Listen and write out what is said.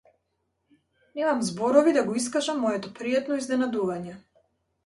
Немам зборови да го искажам моето пријатно изненадување.